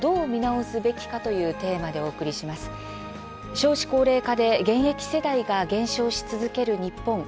少子高齢化で現役世代が減少し続ける日本。